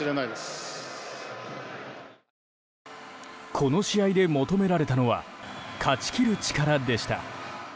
この試合で求められたのは勝ち切る力でした。